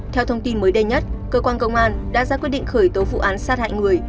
theo thông tin mới đây nhất cơ quan công an đã ra quyết định khởi tố vụ án sát hại người